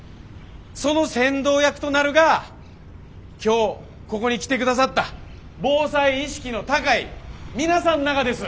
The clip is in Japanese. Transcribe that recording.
その先導役となるが今日ここに来てくださった防災意識の高い皆さんながです。